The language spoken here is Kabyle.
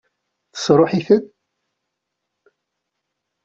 Tesṛuḥ-iten?